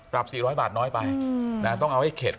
๔๐๐บาทน้อยไปต้องเอาให้เข็ด